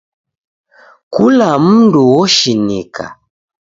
Kula mndu oshinika.